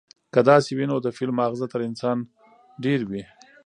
که داسې وي، نو د فيل ماغزه تر انسانه ډېر وي،